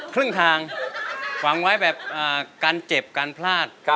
ครึ่งทางฝังไว้แบบการเจ็บการพลาด